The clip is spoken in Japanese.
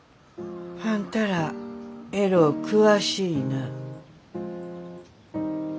あんたらえろう詳しいな。